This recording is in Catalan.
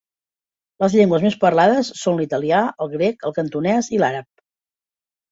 Les llengües més parlades són l'italià, el grec, el cantonès i l'àrab.